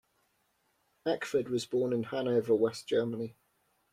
Ackford was born in Hanover, West Germany.